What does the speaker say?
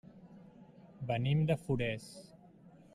Venim de Forès.